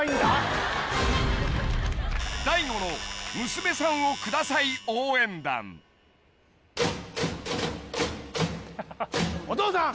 「大悟の『娘さんをください』応援団」お義父さん！